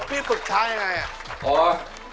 พี่ฝึกช้างอย่างไร